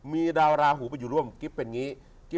มีดาวลาหูไปอยู่ร่วมคุณคุณเป็นอย่างไง